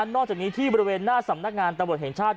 นอกจากนี้ที่บริเวณหน้าสำนักงานตำรวจแห่งชาติ